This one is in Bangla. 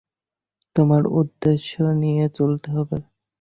তোমার উদ্দেশ্য নিয়ে চলতে হবে।